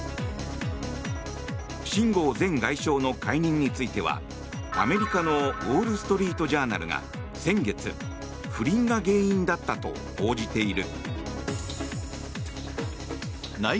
秦剛前外相の解任についてはアメリカのウォール・ストリート・ジャーナルが先月不倫が原因だったと報じている。